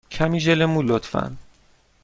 کمی ژل مو، لطفا.